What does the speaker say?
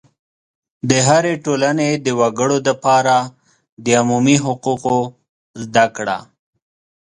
د هرې ټولنې د وګړو دپاره د عمومي حقوقو زده کړه